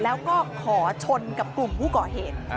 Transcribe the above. แล้วก็ขอชนกับกลุ่มผู้ก่อเหตุ